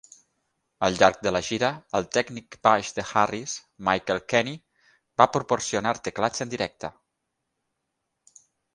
Al llarg de la gira, el tècnic baix de Harris, Michael Kenney, va proporcionar teclats en directe.